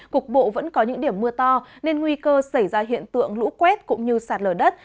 cục bộ vẫn có những điểm mưa to nên nguy cơ xảy ra hiện tượng lũ quét cũng như sạt lở đất